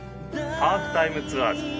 『ハーフタイムツアーズ』。